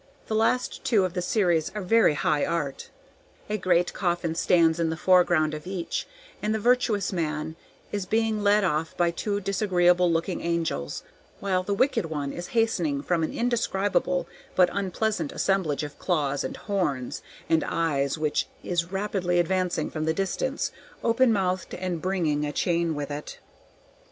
The last two of the series are very high art: a great coffin stands in the foreground of each, and the virtuous man is being led off by two disagreeable looking angels, while the wicked one is hastening from an indescribable but unpleasant assemblage of claws and horns and eyes which is rapidly advancing from the distance, open mouthed, and bringing a chain with it.